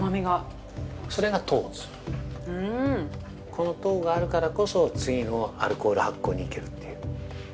◆この糖があるからこそ次のアルコール発酵に行けるっていう。